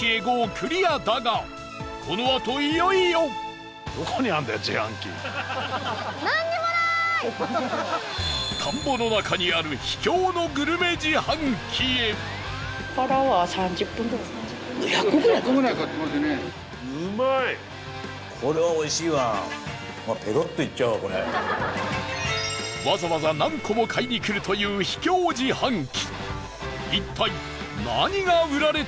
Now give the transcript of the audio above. クリアだがこのあと、いよいよ田んぼの中にある秘境のグルメ自販機へわざわざ何個も買いにくるという、秘境自販機一体何が売られているのか？